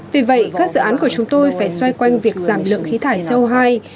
vì vậy các dự án của chúng tôi phải xoay quanh việc giảm lượng khí thải co hai